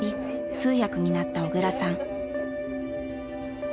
通訳になった小倉さん。